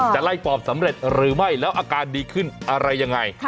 จะไล่ปอบสำเร็จหรือไม่แล้วอาการดีขึ้นอะไรยังไง